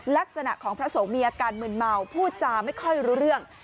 ลักษณะของพระสงฆ์มีอาการมืนเมาพูดจาไม่ค่อยรู้เรื่อง